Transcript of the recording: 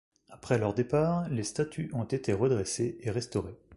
Après leur départ, les statues ont été redressées et restaurées.